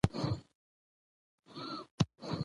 او پر ادبي متونو باندې يې